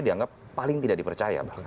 dianggap paling tidak dipercaya